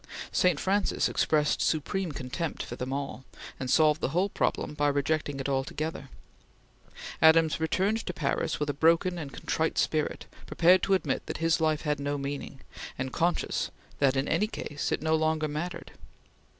St. Francis expressed supreme contempt for them all, and solved the whole problem by rejecting it altogether. Adams returned to Paris with a broken and contrite spirit, prepared to admit that his life had no meaning, and conscious that in any case it no longer mattered.